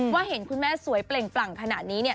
ว่าเห็นคุณแม่สวยเปล่งขนาดนี้เนี่ย